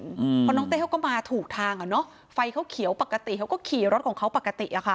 เพราะน้องเต้เขาก็มาถูกทางอ่ะเนอะไฟเขาเขียวปกติเขาก็ขี่รถของเขาปกติอ่ะค่ะ